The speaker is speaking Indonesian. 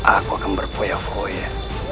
aku akan berpoya poya